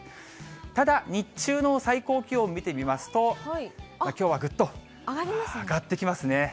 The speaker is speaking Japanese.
ただ日中の最高気温見てみますと、きょうはぐっと上がってきますね。